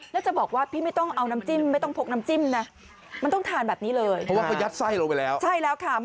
น่าจะบอกว่าพี่ไม่ต้องเอาน้ำจิ้มไม่ต้องพกน้ำจิ้มนะมันต้องทานแบบนี้เลย